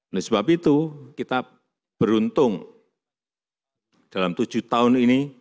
oleh sebab itu kita beruntung dalam tujuh tahun ini